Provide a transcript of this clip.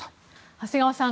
長谷川さん